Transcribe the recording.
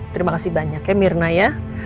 terima kasih banyak ya mirna ya